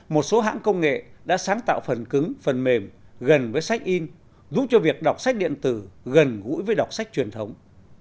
một số hãng công nghệ đã sáng tạo phần cứng phần mềm gần với sách in giúp cho việc đọc sách điện tử gần gũi với đọc sách truyền thống